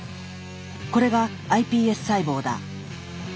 これがｉＰＳ細胞だ。